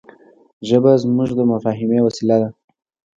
ژبه زموږ د مفاهيمي وسیله ده.